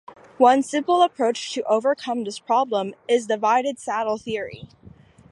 One simple approach to overcome this problem is Divided Saddle Theory.